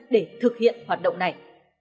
để thực hiện hoạt động này